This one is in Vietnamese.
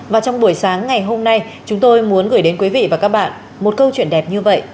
và trong buổi sáng ngày hôm nay chúng tôi muốn gửi đến quý vị và các bạn một câu chuyện đẹp như vậy